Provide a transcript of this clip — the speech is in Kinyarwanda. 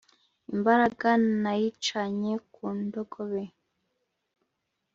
imbaraga nayicanye ku ndogobe,